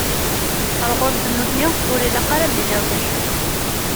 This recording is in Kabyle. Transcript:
Ɣer ɣur-sen nutni, ur ilaq ara ad d-tiniḍ d acu-k.